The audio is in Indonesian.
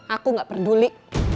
aku gak peduli